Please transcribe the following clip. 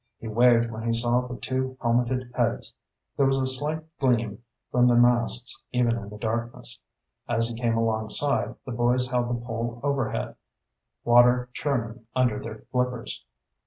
He waved when he saw the two helmeted heads. There was a slight gleam from the masks even in the darkness. As he came alongside, the boys held the pole overhead, water churning under their flippers.